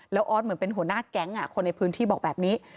แล้วออสเหมือนเป็นหัวหน้าแก๊งคนในพื้นที่บอกแบบนี้